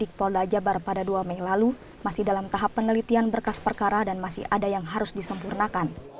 penyidik polda jabar pada dua mei lalu masih dalam tahap penelitian berkas perkara dan masih ada yang harus disempurnakan